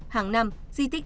hàng năm di tích